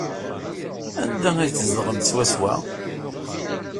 Anda ay tzedɣemt swaswa?